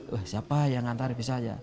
wah siapa yang mengantar bisa saja